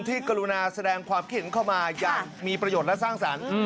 กรุณาแสดงความคิดเห็นเข้ามาอย่างมีประโยชน์และสร้างสรรค์